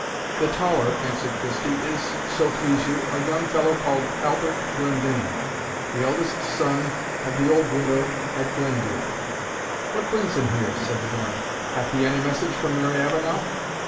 "The taller," answered Christie, "is, so please you, a young fellow called Halbert Glendinning, the eldest son of the old widow at Glendearg." "What brings him here?" said the Baron; "hath he any message from Mary Avenel?"